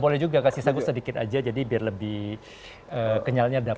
boleh juga kasih sagu sedikit aja jadi biar lebih kenyalnya dapat